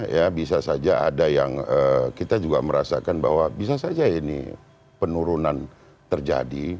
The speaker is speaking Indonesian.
ya bisa saja ada yang kita juga merasakan bahwa bisa saja ini penurunan terjadi